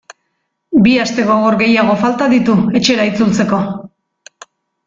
Bi aste gogor gehiago falta ditu etxera itzultzeko.